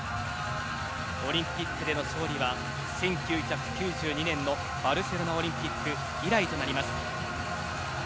オリンピックでの勝利は１９９２年のバルセロナオリンピック以来となります。